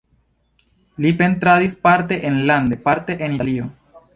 Li pentradis parte enlande, parte en Italio.